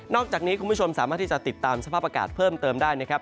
อกจากนี้คุณผู้ชมสามารถที่จะติดตามสภาพอากาศเพิ่มเติมได้นะครับ